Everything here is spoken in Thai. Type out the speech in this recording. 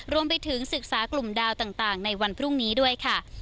รวมถึงศึกษากลุ่มดาวต่างในวันพรุ่งนี้ด้วยค่ะ